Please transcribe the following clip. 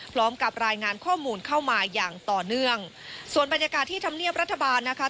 พร้อมกับรายงานข้อมูลเข้ามาอย่างต่อเนื่องส่วนบรรยากาศที่ธรรมเนียบรัฐบาลนะคะ